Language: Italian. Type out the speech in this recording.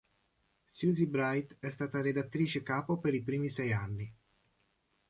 Susie Bright è stata redattrice capo per i primi sei anni.